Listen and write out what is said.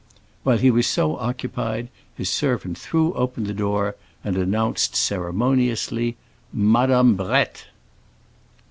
While he was so occupied his servant threw open the door and announced ceremoniously, "Madame Brett!"